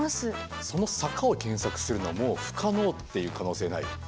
その坂を検索するのはもう不可能っていう可能性ない？